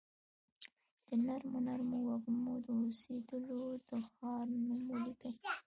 د نرمو نرمو وږمو، د اوسیدولو د ښار نوم ولیکي